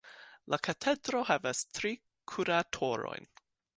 La katedro havas tri kuratorojn.